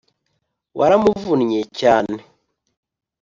waramuvunnye cyane